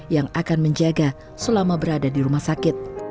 yang akan menjaga selama berada di rumah sakit